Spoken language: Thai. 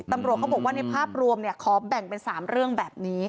ตำรวจเขาบอกว่าในภาพรวมขอแบ่งเป็น๓เรื่องแบบนี้